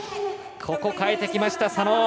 変えてきました、佐野。